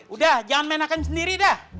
udah jangan main akan sendiri dah